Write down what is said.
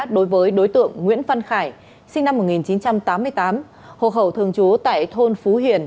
đối với đối tượng nguyễn phân khải sinh năm một nghìn chín trăm tám mươi tám hồ khẩu thường chú tại thôn phú hiền